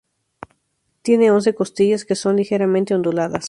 Tiene once costillas que son ligeramente onduladas.